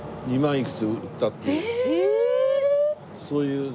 そういう。